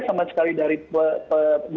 sama sekali dari pembuat undang undang